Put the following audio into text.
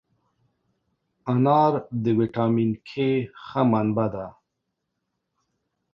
انار د ویټامین K ښه منبع ده.